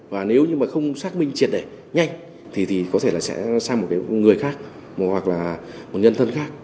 và nếu như mà không xác minh triệt để nhanh thì có thể là sẽ sang một cái người khác hoặc là một nhân thân khác